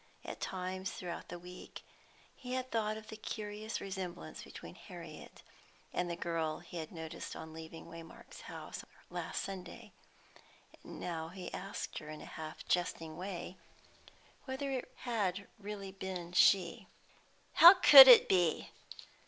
At times, throughout the week, he had thought of the curious resemblance between Harriet and the girl he had noticed on leaving Waymark's house last Sunday, and now he asked her, in a half jesting way, whether it had really been she. "How could it be?"